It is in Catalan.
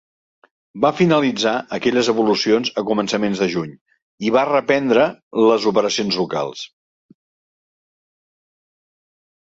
Va finalitzar aquelles evolucions a començaments de juny i va reprendre les operacions locals.